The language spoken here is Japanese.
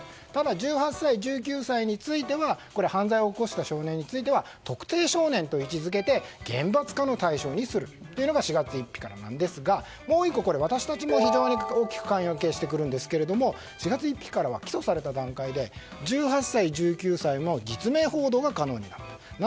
ただ１８歳、１９歳については犯罪を犯した少年については特定少年という位置づけで厳罰化の対象にするというのが４月１日からなんですがもう１つ、私たちも大きく関与してくるんですが４月１日からは起訴された段階で１８歳、１９歳でも実名報道が可能になる。